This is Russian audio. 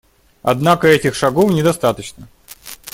Однако этих шагов недостаточно.